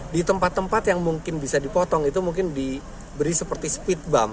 di tempat tempat yang mungkin bisa dipotong itu mungkin diberi seperti speed bum